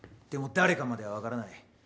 でも誰かまでは分からない。